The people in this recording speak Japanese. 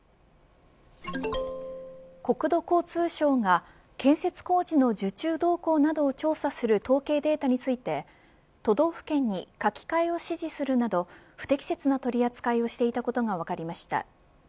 国土交通省が建設工事の受注動向などを調査する統計データについて都道府県に書き換えを指示するなど不適切な取り扱いをしていたことが分かりました。